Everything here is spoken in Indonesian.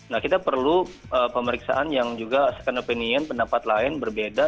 nah kita perlu pemeriksaan yang juga second opinion pendapat lain berbeda